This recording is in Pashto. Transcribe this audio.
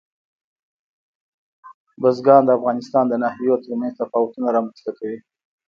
بزګان د افغانستان د ناحیو ترمنځ تفاوتونه رامنځ ته کوي.